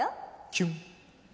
キュン。